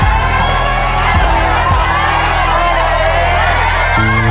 เริ่มก่อน